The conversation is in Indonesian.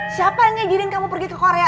siapa yang ngirim kamu pergi ke korea